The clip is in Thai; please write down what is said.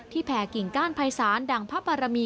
แผ่กิ่งก้านภัยศาลดังพระบารมี